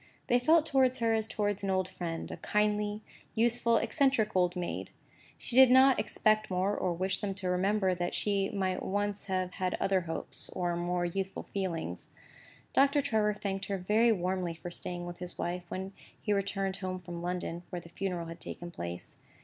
They felt towards her as towards an old friend, a kindly, useful, eccentric old maid. She did not expect more, or wish them to remember that she might once have had other hopes, and more youthful feelings. Doctor Trevor thanked her very warmly for staying with his wife, when he returned home from London (where the funeral had taken place).